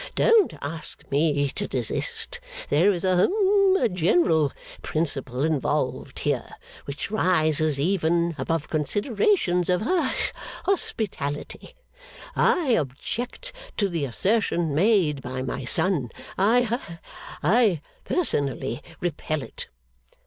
Don't ask me to desist; there is a hum a general principle involved here, which rises even above considerations of ha hospitality. I object to the assertion made by my son. I ha I personally repel it.